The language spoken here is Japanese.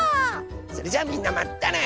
それじゃあみんなまたね！